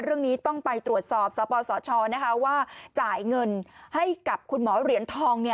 เรื่องนี้ต้องไปตรวจสอบสปสชว่าจ่ายเงินให้กับคุณหมอเหรียญทอง